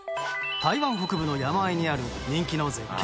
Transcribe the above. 台湾北部の山あいにある人気の絶景